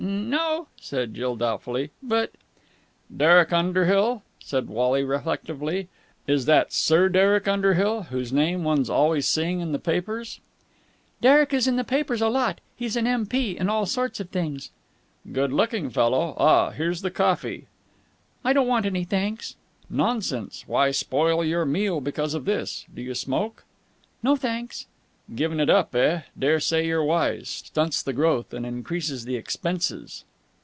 "N no," said Jill doubtfully. "But...." "Derek Underhill," said Wally reflectively. "Is that Sir Derek Underhill, whose name one's always seeing in the papers?" "Derek is in the papers a lot. He's an M.P. and all sorts of things." "Good looking fellow. Ah, here's the coffee." "I don't want any, thanks." "Nonsense. Why spoil your meal because of this? Do you smoke?" "No, thanks." "Given it up, eh? Daresay you're wise. Stunts the growth and increases the expenses."